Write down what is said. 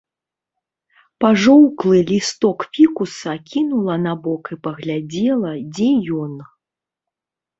Пажоўклы лісток фікуса кінула набок і паглядзела, дзе ён.